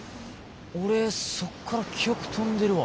俺そっから記憶飛んでるわ。